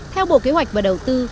theo bộ kế hoạch và đầu tư